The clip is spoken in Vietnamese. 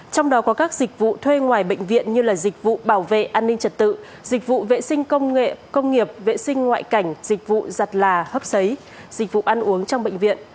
trong đó có các dịch vụ thuê ngoài bệnh viện như dịch vụ bảo vệ an ninh trật tự dịch vụ vệ sinh công nghệ công nghiệp vệ sinh ngoại cảnh dịch vụ giặt là hấp xấy dịch vụ ăn uống trong bệnh viện